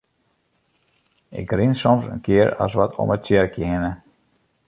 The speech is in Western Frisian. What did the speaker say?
Ik rin soms in kear as wat om it tsjerkje hinne.